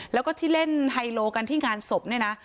แล้วก็ที่เล่นไฮโลกันที่งานศพเนี่ยนะ